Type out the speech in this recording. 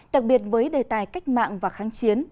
đặc biệt với đề tài cách mạng và kháng chiến